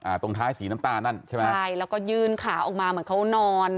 ตรงท้ายสีน้ำตาลนั่นใช่ไหมใช่แล้วก็ยื่นขาออกมาเหมือนเขานอน